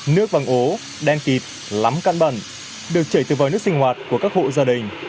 nước vàng ố đen kịt lắm căn bẩn được chảy từ vòi nước sinh hoạt của các hộ gia đình